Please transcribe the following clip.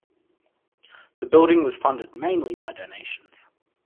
The building was funded mainly by donations.